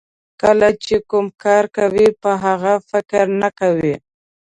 کله چې کوم کار کوئ په هغه فکر نه کوئ.